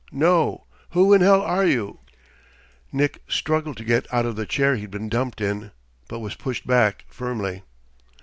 "No! Who in hell are you?" Nick struggled to get out of the chair he'd been dumped in, but was pushed back firmly.